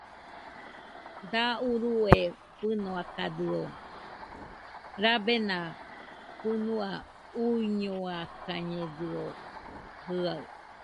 Da urue fɨnoakadɨo, rabena fɨnua uñoiakañedɨo jɨaɨ